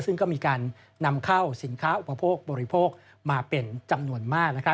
ซึ่งก็มีการนำเข้าสินค้าอุปโภคบริโภคมาเป็นจำนวนมาก